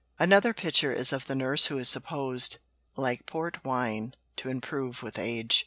Another picture is of the nurse who is supposed, "like port wine," to improve with age.